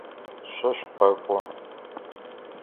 Шъо шъукъэкӏо.